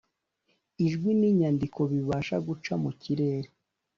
ijwi n’inyandiko bibasha guca mu kirere